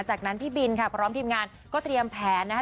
จากนั้นพี่บินค่ะพร้อมทีมงานก็เตรียมแผนนะคะ